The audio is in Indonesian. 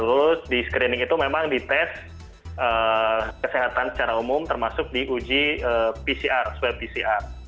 terus di screening itu memang dites kesehatan secara umum termasuk di uji pcr swab pcr